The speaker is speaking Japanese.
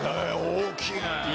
大きいね。